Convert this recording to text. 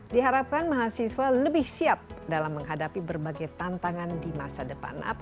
diharapkan mahasiswa lebih siap dalam menghadapi berbagai tantangan di masa depan